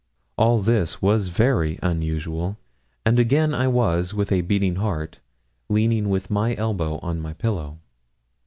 All this was very unusual, and again I was, with a beating heart, leaning with my elbow on my pillow.